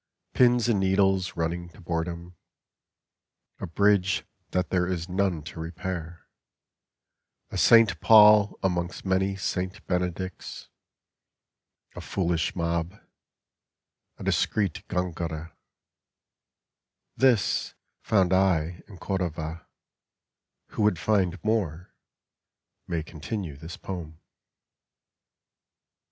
Pins and needles running to boredom, A bridge that there is none to repair, A St. Paul amongst many St. Benedicts, A foolish mob, a discreet Gongora — This found I in Cordova ; who would find more May continue this poem.